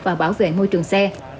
và bảo vệ môi trường xe